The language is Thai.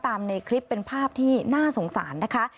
ในคลิปเป็นภาพที่น่าสงสารนะคะ